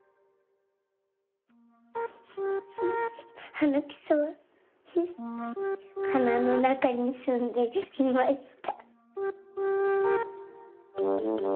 はなくそははなのなかにすんでいました。